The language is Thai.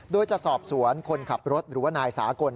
โดยจะสอบสวนคนขับรถหรือว่านายสากล